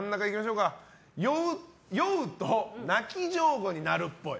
酔うと泣き上戸になるっぽい。